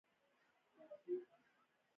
په اروپا او اسیا کې.